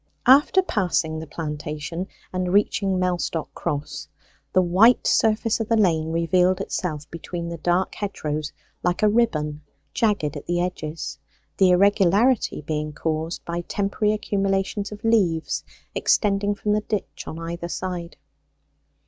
After passing the plantation and reaching Mellstock Cross the white surface of the lane revealed itself between the dark hedgerows like a ribbon jagged at the edges; the irregularity being caused by temporary accumulations of leaves extending from the ditch on either side.